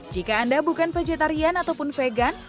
jika anda bukan vegetarian ataupun vegan